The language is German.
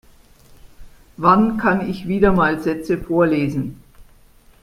Wann kann ich wieder mal Sätze vorlesen.